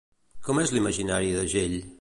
Com és l'imaginari d'Agell?